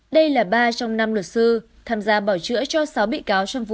đây là ba trong năm luật sư tham gia bảo chữa cho sáu bị cáo trong vụ án